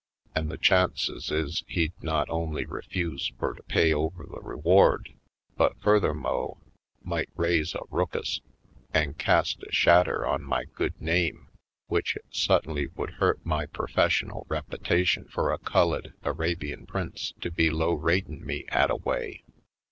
An' the chances is he'd not only refuse fur to pay over the reward, but furthermo' might raise a rookus an' cast a shadder on my good name w'ich it su'ttinly would hurt my perfessional reppitation fur a Cullid Arabian Prince to be low ratin' me at a way.